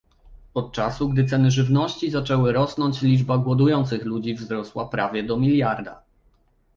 Od czasu, gdy ceny żywności zaczęły rosnąć, liczba głodujących ludzi wzrosła prawie do miliarda